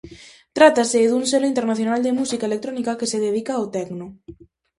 Trátase dun selo internacional de música electrónica que se dedica ao tecno.